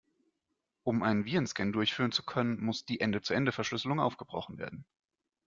Um einen Virenscan durchführen zu können, muss die Ende-zu-Ende-Verschlüsselung aufgebrochen werden.